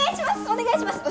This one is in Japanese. お願いします！